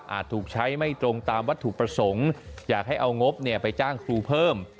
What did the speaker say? ถูกใช้ไม่ตรงตามวัตถุประสงค์อยากให้เอางบไปจ้างครูเพิ่ม